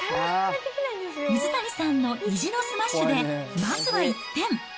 水谷さんの意地のスマッシュで、まずは１点。